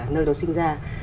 nơi nó sinh ra